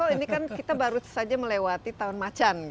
ini kan kita baru saja melewati tahun macan